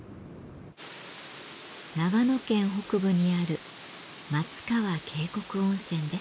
長野県北部にある松川渓谷温泉です。